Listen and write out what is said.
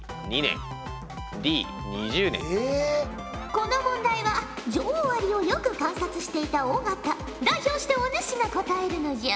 この問題は女王アリをよく観察していた尾形代表してお主が答えるのじゃ！